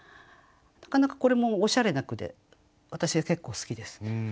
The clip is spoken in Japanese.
なかなかこれもおしゃれな句で私は結構好きです。